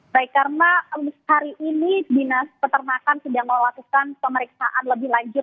baik karena hari ini dinas peternakan sedang melakukan pemeriksaan lebih lanjut